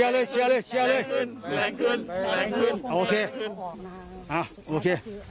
แรงขึ้น